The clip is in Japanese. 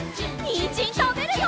にんじんたべるよ！